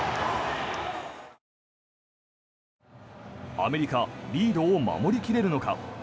アメリカリードを守り切れるのか。